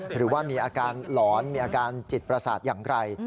หรือว่ามีอาการหลอนมีอาการจิตประสาทอย่างไร